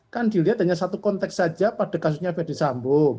kan dilihat hanya satu konteks saja pada kasusnya fede sambo